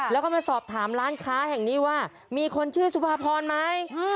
แล้วก็มาสอบถามร้านค้าแห่งนี้ว่ามีคนชื่อสุภาพรไหม